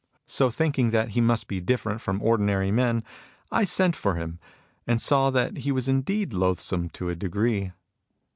"' So thinking that he must be different from ordinary men, I sent for him, and saw that he was indeed loathsome to a degree.